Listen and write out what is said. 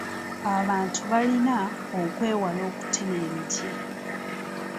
Abantu balina okwewala okutema emiti.